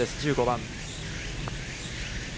１５番。